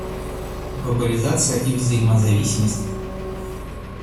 Глобализация и взаимозависимость.